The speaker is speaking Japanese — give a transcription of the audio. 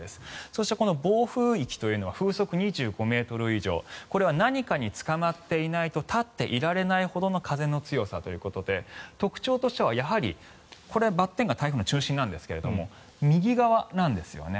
そして暴風域というのは風速２５ｍ以上これは何かにつかまっていないと立っていられないほどの風の強さということで特徴としては、これはばってんが台風の中心なんですが右側なんですね。